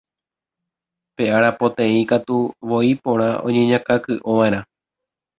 Pe arapoteĩ katu, voi porã oñeñakãky'ova'erã